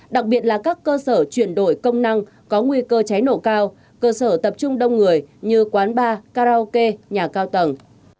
đặc biệt là các cơ sở chuyển đổi công năng có nguy cơ cháy nổ cao cơ sở tập trung đông người như quán bar karaoke nhà cao tầng